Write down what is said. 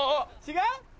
違う？